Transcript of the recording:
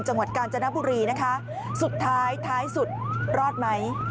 จังหวัดกาญจนบุรีนะคะสุดท้ายท้ายสุดรอดไหม